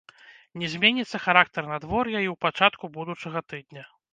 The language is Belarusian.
Не зменіцца характар надвор'я і ў пачатку будучага тыдня.